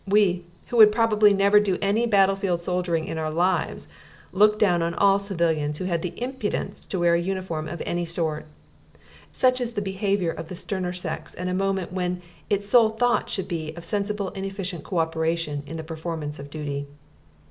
We who would probably never do any battlefield soldiering in our lives looked down on all civilians who had the impudence to wear a uniform of any sort. Such is the behaviour of the sterner sex at a moment when its sole thought should be of sensible and efficient co operation in the performance of duty.